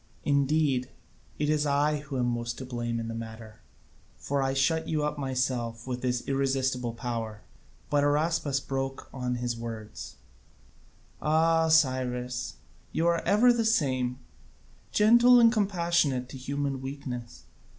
Indeed it is I who am most to blame in the matter, for I shut you up myself with this irresistible power." But Araspas broke in on his words: "Ah, Cyrus, you are ever the same, gentle and compassionate to human weaknesses.